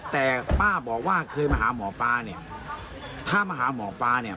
แต่ป้าบอกว่าเคยมาหาหมอปลาเนี่ยถ้ามาหาหมอปลาเนี่ย